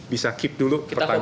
bisa keep dulu pertanyaan